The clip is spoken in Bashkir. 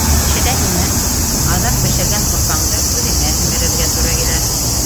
Ишетәһеңме? Аҙаҡ бешергән һурпаңды үҙеңә һемерергә тура килә